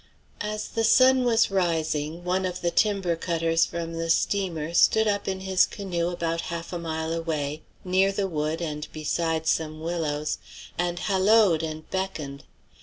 As the sun was rising, one of the timber cutters from the steamer stood up in his canoe about half a mile away, near the wood and beside some willows, and halloed and beckoned.